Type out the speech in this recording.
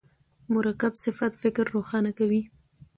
مرکب صفت فکر روښانه کوي.